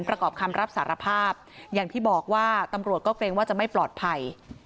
ประกอบคำรับสารภาพอย่างที่บอกว่าตำรวจก็เกรงว่าจะไม่ปลอดภัย